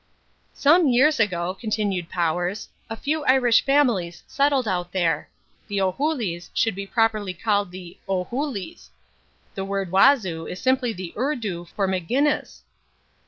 "Some years ago," continued Powers, "a few Irish families settled out there. The Ohulîs should be properly called the O'Hooleys. The word Wazoo is simply the Urdu for McGinnis.